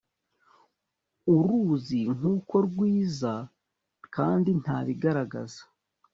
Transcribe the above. uruzi nkuko rwiza, kandi nta bigaragara